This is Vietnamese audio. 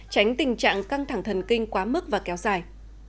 tránh tình trạng căng thẳng thần kinh quá mức và kéo dài